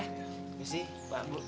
terus sih pak bu